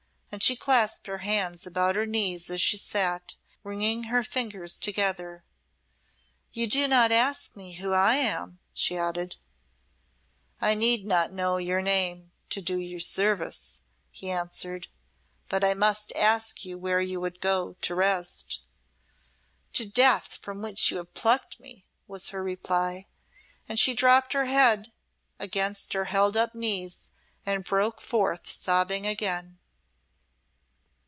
and she clasped her hands about her knees as she sat, wringing her fingers together. "You do not ask me who I am," she added. "I need not know your name to do you service," he answered. "But I must ask you where you would go to rest." "To Death from which you have plucked me!" was her reply, and she dropped her head against her held up knees and broke forth sobbing again.